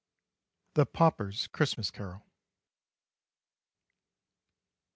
THE PAUPER'S CHRISTMAS CAROL.